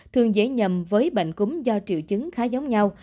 thường dễ nhầm với bệnh cúm do triệu chứng khá giống nhau